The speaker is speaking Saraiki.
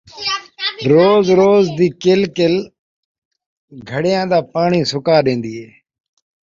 روز دی کِل کِل گھڑیاں دا پاݨی سُکا ݙین٘دی ہے